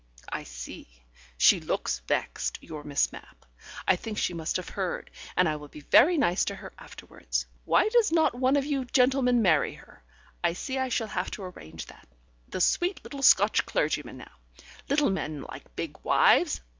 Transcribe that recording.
"I see; she looks vexed, your Miss Mapp. I think she must have heard, and I will be very nice to her afterwards. Why does not one of you gentlemen marry her? I see I shall have to arrange that. The sweet little Scotch clergyman now; little men like big wives.